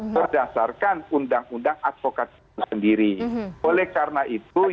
berdasarkan undang undang advokat sendiri